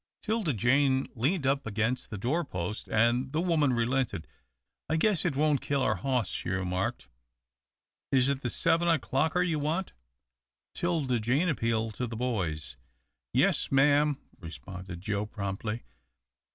'Tilda Jane leaned up against the door post, and the woman relented. "I guess it won't kill our hoss," she remarked. "Is it the seven o'clocker you want?" 'Tilda Jane appealed to the boys. "Yes, m'am," responded Joe, promptly.